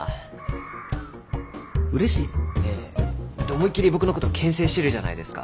思いっきり僕の事けん制してるじゃないですか。